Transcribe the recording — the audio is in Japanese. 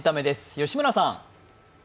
吉村さん。